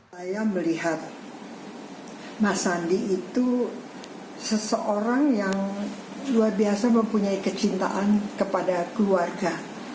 saya melihat mas sandi itu seseorang yang luar biasa mempunyai kecintaan kepada keluarga